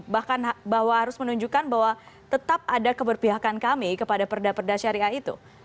bahkan bahwa harus menunjukkan bahwa tetap ada keberpihakan kami kepada perdasariah itu